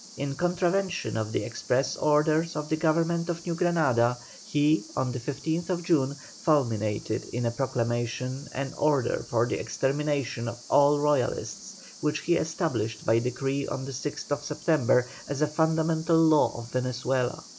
In contravention of the express orders of the Government of New Granada, he on the 15th June fulminated in a proclamation an order for the extermination of all Royalists, which he established by decree on the 6th September as a fundamental law of Venezuela.